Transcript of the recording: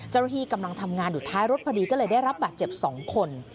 เจ้าหน้าที่กำลังทำงานอยู่ท้ายรถพอดีก็เลยได้รับบาดเจ็บ๒คน